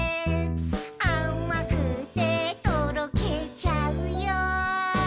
「あまくてとろけちゃうよ」